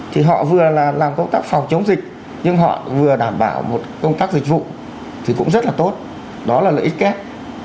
thì họ vừa là làm công tác phòng chống dịch nhưng họ vừa đảm bảo một công tác dịch vụ thì cũng rất là tốt đó là lợi ích kép